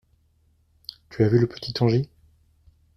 Tu as vu le petit Tangi ?